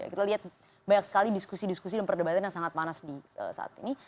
kita lihat banyak sekali diskusi diskusi dan perdebatan yang sangat panas di saat ini